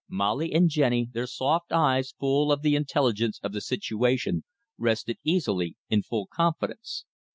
Molly and Jenny, their soft eyes full of the intelligence of the situation, rested easily in full confidence.